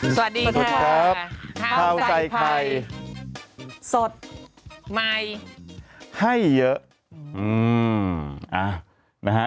สวัสดีครับข้าวใส่ไข่สดใหม่ให้เยอะอืมอ่านะฮะ